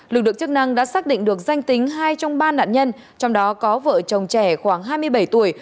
lực lượng chức năng đã xác định được danh tính hai trong ba nạn nhân trong đó có vợ chồng trẻ khoảng hai mươi bảy tuổi